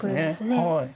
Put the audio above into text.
はい。